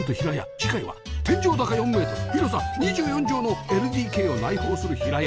次回は天井高４メートル広さ２４畳の ＬＤＫ を内包する平屋